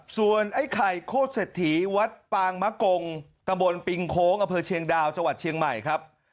ส่วนไอ้ไข่โคตรเศรษฐีวัดปางมะกงตะบนปิงโค้งอำเภอเชียงดาวจังหวัดเชียงใหม่ครับ